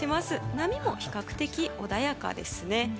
波も比較的穏やかですね。